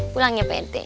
pulang ya pak rt